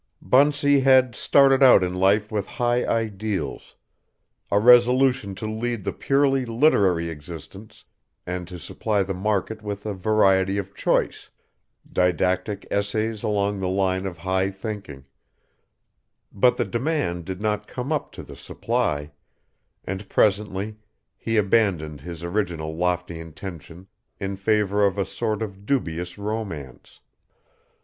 Bunsey had started out in life with high ideals, a resolution to lead the purely literary existence and to supply the market with a variety of choice, didactic essays along the line of high thinking; but the demand did not come up to the supply, and presently he abandoned his original lofty intention in favor of a sort of dubious romance.